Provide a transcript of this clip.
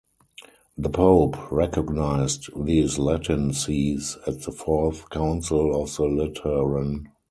The pope recognised these "Latin" sees at the Fourth Council of the Lateran.